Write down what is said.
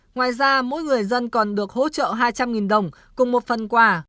ngoài ra mỗi người dân còn được hỗ trợ hai trăm linh đồng cùng một phần quà